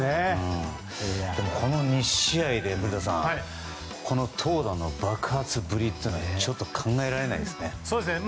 でもこの２試合で古田さんこの投打の爆発ぶりってちょっと考えられないですね。